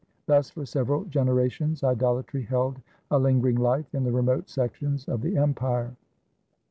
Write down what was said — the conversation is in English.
Thus for several generations idolatry held a linger ing life in the remote sections of the empire.